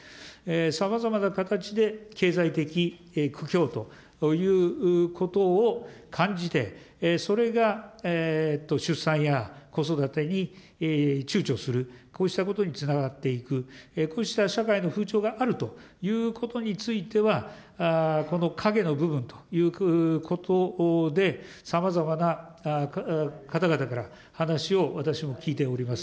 さまざまな形で、経済的苦境ということを感じて、それが出産や子育てにちゅうちょする、こうしたことにつながっていく、こうした社会の風潮があるということについては、この影の部分ということで、さまざまな方々から話を私も聞いております。